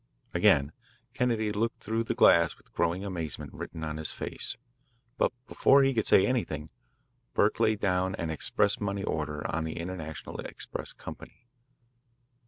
Again Kennedy looked through the glass with growing amazement written on his face, but before he could say anything, Burke laid down an express money order on the International Express Company.